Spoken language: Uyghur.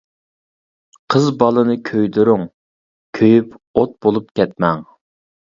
قىز بالىنى كۆيدۈرۈڭ، كۆيۈپ ئوت بولۇپ كەتمەڭ.